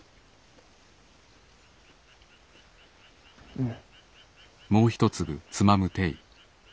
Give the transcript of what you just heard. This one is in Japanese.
うん。